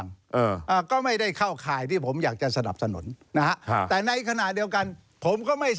นี่นี่นี่นี่นี่นี่นี่นี่นี่